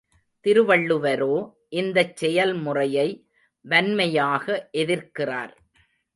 திருவள்ளுவரோ, இந்தச் செயல்முறையை வன்மையாக எதிர்க்கிறார்.